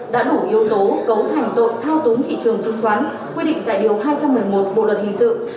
đã đủ yếu tố cấu thành tội thao túng thị trường chứng khoán quy định tại điều hai trăm một mươi một bộ luật hình sự